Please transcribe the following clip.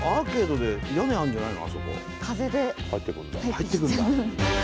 入ってくるんだ。